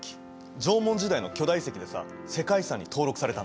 縄文時代の巨大遺跡でさ世界遺産に登録されたんだよ。